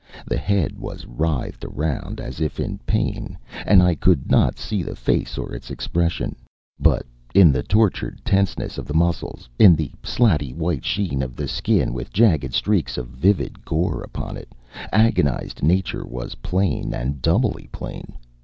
The head was writhed around, as if in pain, and I could not see the face or its expression; but in the tortured tenseness of the muscles, in the slaty white sheen of the skin with jagged streaks of vivid gore upon it, agonized nature was plain and doubly plain.